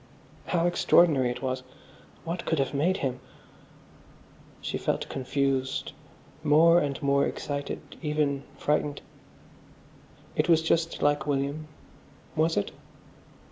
How extraordinary it was.... What could have made him...? She felt confused, more and more excited, even frightened. It was just like William. Was it?